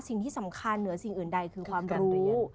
สิ่งที่สำคัญเหนือสิ่งอื่นใดคือความแบบนี้